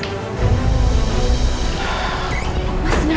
terus passion anya gitu